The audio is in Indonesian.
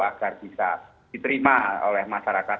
agar bisa diterima oleh masyarakat